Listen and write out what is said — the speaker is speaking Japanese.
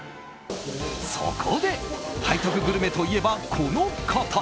そこで背徳グルメといえば、この方。